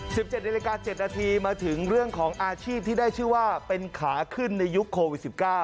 ๑๗นิรกา๗นาทีมาถึงเรื่องของอาชีพที่ได้ชื่อว่าเป็นขาขึ้นในยุคโควิด๑๙